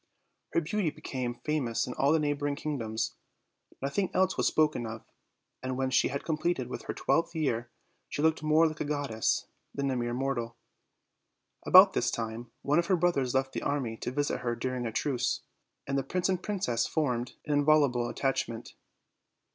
Her beauty became famous in all the neighboring kingdoms; nothing else was spoken of, and when she had completed her twelfth year she looked more like a goddess than a mere mortal. About this time one of her brothers left the army to visit her during a truce, and the prince and princess formed an inviolable attachment.